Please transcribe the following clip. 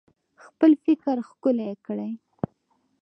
خپل فکر ښکلی کړئ